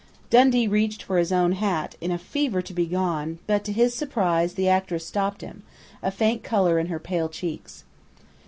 Dundee reached for his own hat, in a fever to be gone, but to his surprise the actress stopped him, a faint color in her pale cheeks.